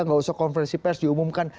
nggak usah konferensi pers diumumkan